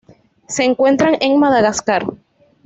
Se encuentran en Madagascar.